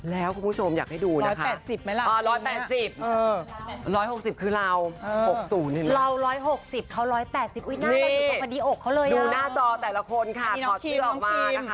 ดูหน้าต่อแต่ละคนค่ะถอดเสื้อแบบนี้ออกมา